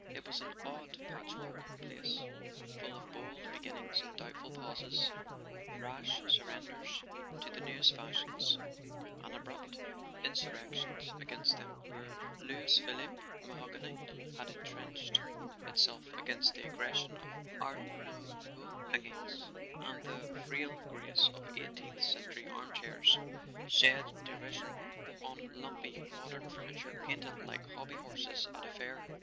It was an odd patchwork place, full of bold be¬ ginnings and doubtful pauses, rash surrenders to the newest fashions and abrupt insurrections against them, where Louis Philippe mahogany had entrenched itself against the aggression of art nouveau hangings, and the frail grace of eighteenth century armchairs shed derision on lumpy modern furniture painted like hobby horses at a fair.